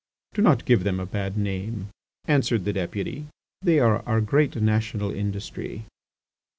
"Do not give them a bad name," answered the Deputy. "They are our great national industry."